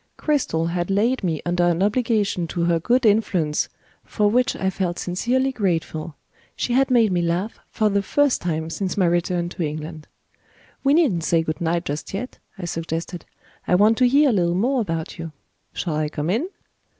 Cristel had laid me under an obligation to her good influence for which I felt sincerely grateful she had made me laugh, for the first time since my return to England. "We needn't say good night just yet," I suggested; "I want to hear a little more about you. Shall I come in?"